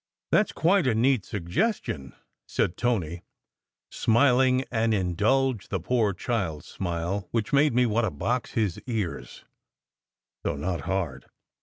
"That s quite a neat suggestion," said Tony, smiling an SECRET HISTORY 201 "indulge the poor child" smile which made me want to box his ears though not hard.